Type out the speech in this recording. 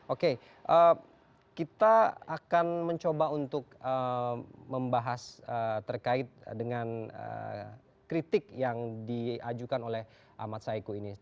oke kita akan mencoba untuk membahas terkait dengan kritik yang diajukan oleh ahmad saiku ini